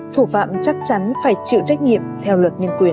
thủ phạm chắc chắn phải chịu trách nhiệm theo luật nhân quyền